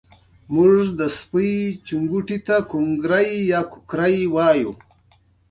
مړه ته د اخلاص دعا ورسوې